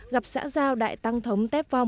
gặp xã giao đại tăng thống tepphong